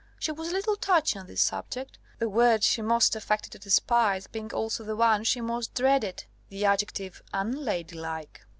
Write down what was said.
She was a little touchy on this subject, the word she most affected to despise being also the one she most dreaded, the adjective "unladylike."